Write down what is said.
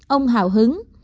ông hào hứng